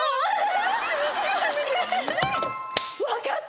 わかった！